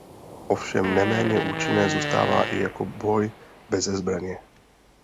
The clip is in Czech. Ovšem neméně účinné zůstává i jako boj beze zbraně.